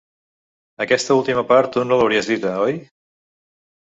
Aquesta última part tu no l’hauries dita, oi?